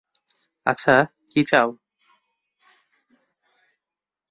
আচ্ছা, কী চাও?